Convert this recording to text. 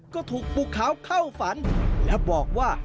ก็ถูกปู่ขาวเข้าฝันและบอกว่า